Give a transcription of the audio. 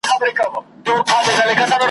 ما خو ویلي وه درځم ته به مي لاره څارې ,